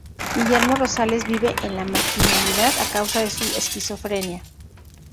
Guillermo Rosales vive en la marginalidad a causa de su esquizofrenia.